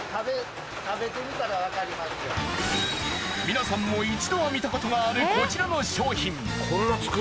皆さんも一度は見たことがあるこちらの商品。